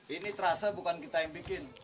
ini terasa bukan kita yang bikin